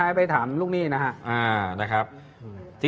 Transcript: ให้ไปถามลูกหนี้นะฮะ